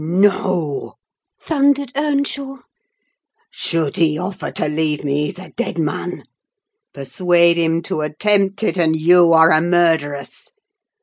"No!" thundered Earnshaw; "should he offer to leave me, he's a dead man: persuade him to attempt it, and you are a murderess!